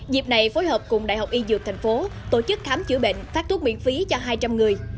dịp này phối hợp cùng đại học y dược tp hcm tổ chức khám chữa bệnh phát thuốc miễn phí cho hai trăm linh người